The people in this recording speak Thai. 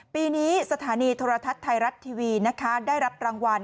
ปีนี้สถานีโทรทัศน์ไทยรัฐทีวีนะคะได้รับรางวัล